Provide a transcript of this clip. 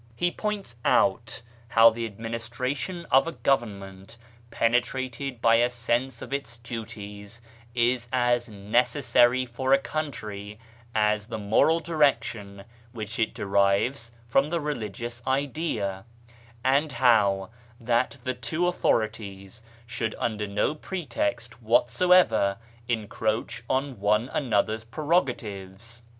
He points out how the ad ministration of a government penetrated by a sense of its duties is as necessary for a country as the moral direction which it derives from the religious idea, and how that the two authorities should under no pretext whatsoever encroach on one another's prerogatives.